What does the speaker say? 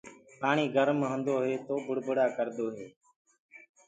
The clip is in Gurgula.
پآڻي گرم هوندو هي تو بُڙبُڙآ ڪڙدآ هينٚ۔